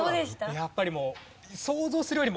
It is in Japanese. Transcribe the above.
やっぱりもう。